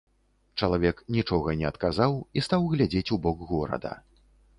Чалавек нічога не адказаў і стаў глядзець у бок горада.